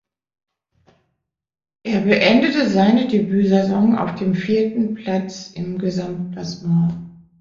Er beendete seine Debütsaison auf dem vierten Platz im Gesamtklassement.